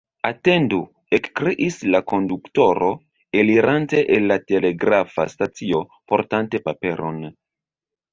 « Atendu! »ekkriis la konduktoro, elirante el la telegrafa stacio, portante paperon.